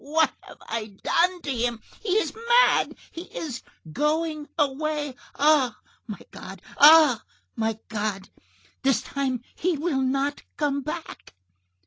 What have I done to him? He is mad! He is going away! Ah! my God! Ah! my God! This time he will not come back!"